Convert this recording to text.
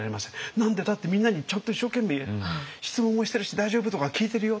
「何でだってみんなにちゃんと一生懸命質問もしてるし『大丈夫？』とか聞いてるよ」。